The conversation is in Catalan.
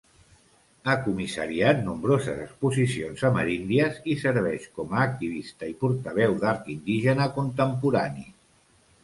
Ha comissariat nombroses exposicions ameríndies i serveix com a activista i portaveu d'art indígena contemporani.